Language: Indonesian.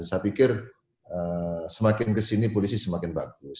saya pikir semakin kesini polisi semakin bagus